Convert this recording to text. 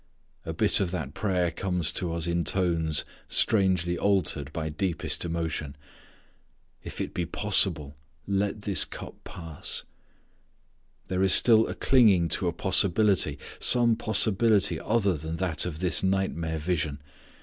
_ A bit of that prayer comes to us in tones strangely altered by deepest emotion. "If it be possible let this cup pass." There is still a clinging to a possibility, some possibility other than that of this nightmare vision.